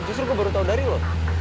justru gue baru tau dari lu